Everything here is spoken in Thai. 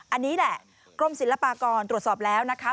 อันนี้แหละกรมศิลปากรตรวจสอบแล้วนะคะ